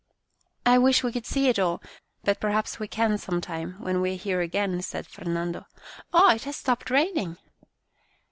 " I wish we could see it all, but perhaps we can sometime when we are here again," said Fernando. " Oh, it has stopped raining